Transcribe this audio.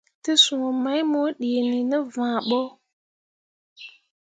Tesũũ mai mo dǝǝni ne vããɓo.